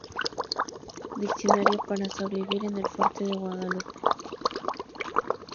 Diccionario para sobrevivir en el fuerte de Guadalupe.